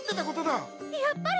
やっぱり！？